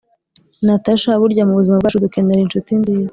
Natasha, burya mu buzima bwacu dukenera inshuti nziza.